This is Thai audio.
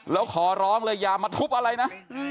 แล้วขอร้องเลยอย่ามาทุบอะไรนะ